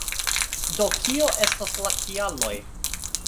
Do, kio estas la kialoj